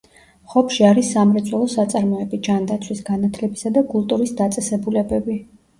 ხობში არის სამრეწველო საწარმოები, ჯანდაცვის, განათლებისა და კულტურის დაწესებულებები.